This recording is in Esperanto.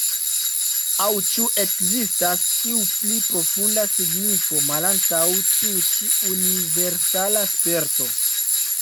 Aŭ ĉu ekzistas iu pli profunda signifo malantaŭ tiu ĉi universala sperto?